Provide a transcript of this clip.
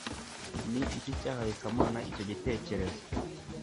ni iki cyahaye kamana icyo gitekerezo